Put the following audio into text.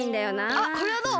あっこれはどう？